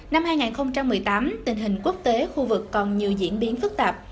năm hai nghìn một mươi tám tình hình quốc tế khu vực còn nhiều diễn biến phức tạp